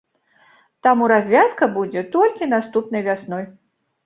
Таму развязка будзе толькі наступнай вясной.